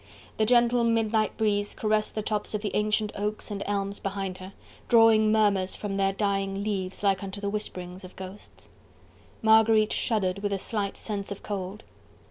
The gentle midnight breeze caressed the tops of the ancient oaks and elms behind her, drawing murmurs from their dying leaves like unto the whisperings of ghosts. Marguerite shuddered with a slight sense of cold.